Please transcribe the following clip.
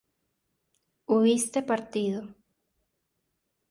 hubiste partido